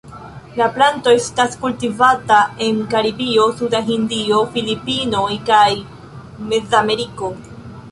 La planto estas kultivata en Karibio suda Hindio, Filipinoj kaj Mezameriko.